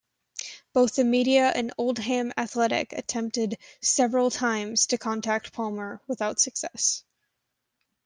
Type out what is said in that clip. Both the media and Oldham Athletic attempted several times to contact Palmer without success.